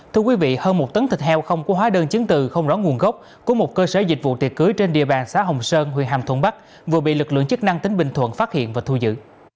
thưa quý vị hơn một tấn thịt heo không có hóa đơn chứng từ không rõ nguồn gốc của một cơ sở dịch vụ tiệc cưới trên địa bàn xã hồng sơn huyện hàm thuận bắc vừa bị lực lượng chức năng tỉnh bình thuận phát hiện và thu giữ